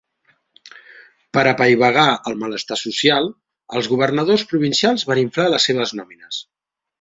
Per apaivagar el malestar social, els governadors provincials van inflar les seves nòmines.